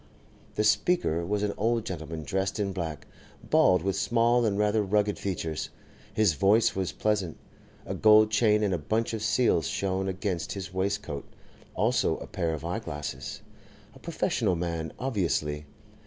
The speaker was an old gentleman, dressed in black, bald, with small and rather rugged features; his voice was pleasant. A gold chain and a bunch of seals shone against his waistcoat, also a pair of eye glasses. A professional man, obviously.